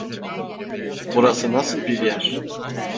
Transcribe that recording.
Burası nasıl bir yer?